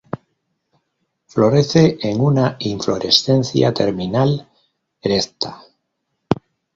Florece en una inflorescencia terminal erecta.